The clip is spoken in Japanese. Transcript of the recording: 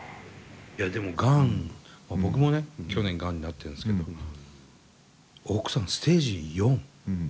いやでもがんは僕もね去年がんになってるんですけど奥さんステージ４。